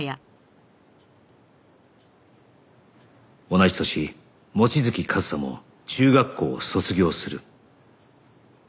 同じ年望月和沙も中学校を卒業する